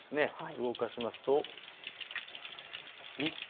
動かしますと日中